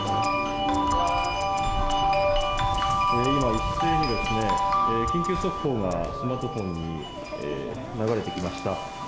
今一斉に、緊急速報がスマートフォンに流れてきました。